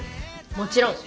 もちろん。